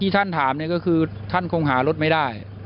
ท่านถามก็คือท่านคงหารถไม่ได้